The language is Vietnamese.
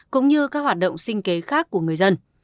cũng như các hoạt động sinh kế khác của người dân